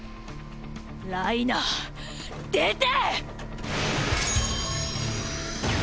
ライナー出て。